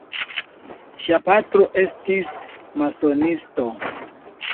Ŝia patro estis masonisto.